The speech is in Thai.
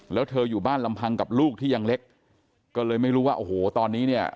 แล้วเธออยู่บ้านลำพังกับลูกที่ยังเล็กก็เลยไม่รู้ว่าโอ้โหตอนนี้เนี่ย